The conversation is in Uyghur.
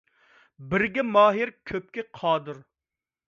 بىرگە ماھىر كۆپكە قادىر بول.